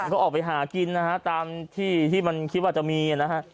ก็ออกไปหากินนะฮะตามที่ที่มันคิดว่าจะมีนะฮะ